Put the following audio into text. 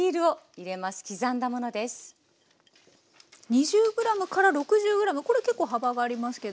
２０６０ｇこれ結構幅がありますけど。